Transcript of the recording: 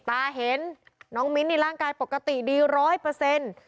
ตาเห็นน้องมิ้นในร่างกายปกติดีร้อยเปอร์เซ็นต์